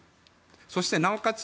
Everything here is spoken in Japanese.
そこでなおかつ